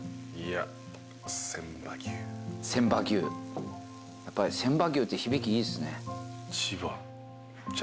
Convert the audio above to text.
やっぱり千葉牛って響きいいですね。